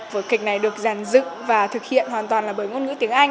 với kịch này được giàn dựng và thực hiện hoàn toàn bởi ngôn ngữ tiếng anh